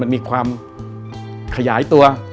มันมีความขยายตัว